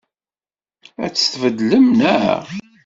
Ad tt-tbeddlem, naɣ?